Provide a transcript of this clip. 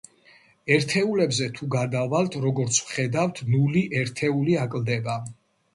ერთეულებზე თუ გადავალთ, როგორც ვხედავთ, ნული ერთეული აკლდება.